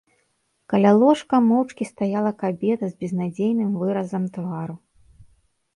Каля ложка моўчкі стаяла кабета з безнадзейным выразам твару.